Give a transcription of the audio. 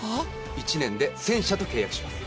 １年で１０００社と契約します